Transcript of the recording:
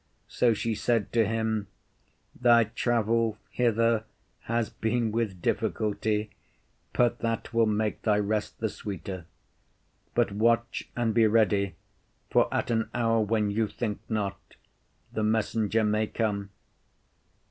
So she said to him, Thy travel hither has been with difficulty, but that will make thy rest the sweeter. But watch and be ready, for at an hour when you think not, the messenger may come.